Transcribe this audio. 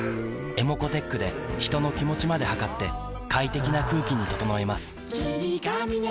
ｅｍｏｃｏーｔｅｃｈで人の気持ちまで測って快適な空気に整えます